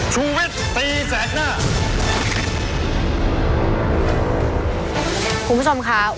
คุณผู้ชมค่ะ